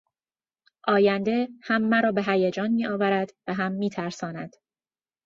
آینده هم مرا به هیجان میآورد و هم میترساند.